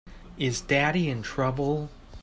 Is Daddy in trouble?